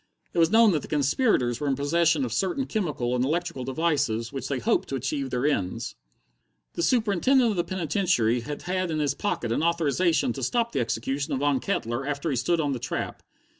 It was known that the conspirators were in possession of certain chemical and electrical devices with which they hoped to achieve their ends. The Superintendent of the penitentiary had had in his pocket an authorization to stop the execution of Von Kettler after he stood on the trap.